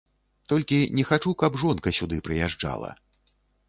Толькі не хачу, каб жонка сюды прыязджала.